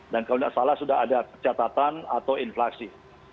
dan kalau tidak salah sudah ada catatan atau inflasi